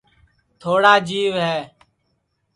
تھواڑا جیو ہے